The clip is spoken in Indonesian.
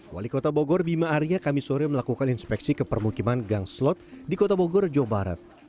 wali kota bogor lima harinya kami sore melakukan inspeksi kepermukiman gang slot di kota bogor jawa barat